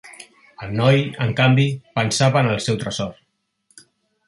El noi, en canvi, pensava en el seu tresor.